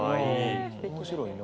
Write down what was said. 面白いな。